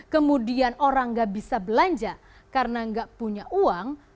kemudian orang nggak bisa belanja karena nggak punya uang